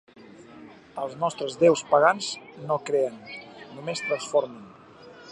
Els nostres déus pagans no creen, només transformen.